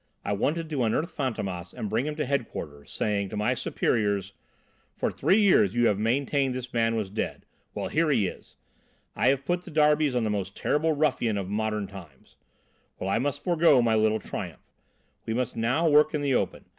I wanted to unearth Fantômas and bring him to Headquarters, saying to my superiors, 'For three years you have maintained this man was dead; well, here he is! I have put the darbies on the most terrible ruffian of modern times.' Well, I must forego my little triumph. We must now work in the open.